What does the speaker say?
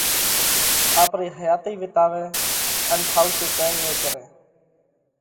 آپرئِي حياتئِي وِيتاوئه ان ٺائُوڪي ڪرڻي ڪرئه۔